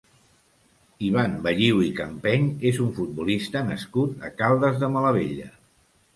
Ivan Balliu i Campeny és un futbolista nascut a Caldes de Malavella.